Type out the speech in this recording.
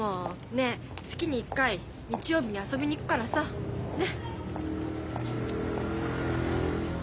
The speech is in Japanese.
ねえ月に１回日曜日に遊びに行くからさ。ね！